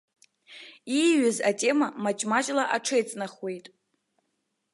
Ииҩыз атема маҷ-маҷла аҽеиҵнахуеит.